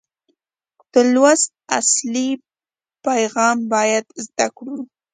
د لوست اصلي پیغام باید زده کړو.